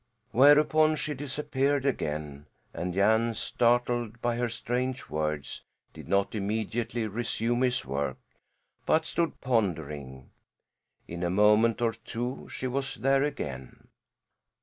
'" Whereupon she disappeared again, and Jan, startled by her strange words, did not immediately resume his work, but stood pondering. In a moment or two she was there again.